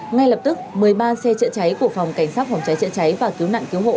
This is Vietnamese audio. ngay lập tức một mươi ba xe chữa cháy của phòng cảnh sát phòng cháy chữa cháy và cứu nạn cứu hộ